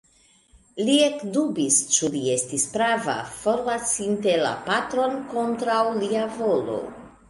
Li ekdubis, ĉu li estis prava, forlasinte la patron kontraŭ lia volo?